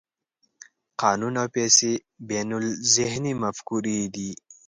قانون او پیسې بینالذهني مفکورې دي.